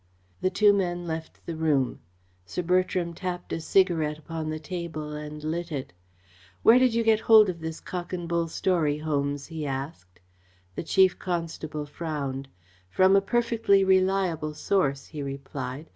The two men left the room. Sir Bertram tapped a cigarette upon the table and lit it. "Where did you get hold of this cock and bull story, Holmes?" he asked. The Chief Constable frowned. "From a perfectly reliable source," he replied.